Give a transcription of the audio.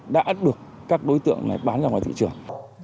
đã được các đối tượng này bán ra ngoài thị trường